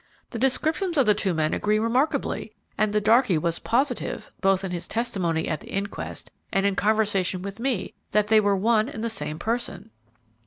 The descriptions of the two men agree remarkably, and the darkey was positive, both in his testimony at the inquest and in conversation with me, that they were one and the same person."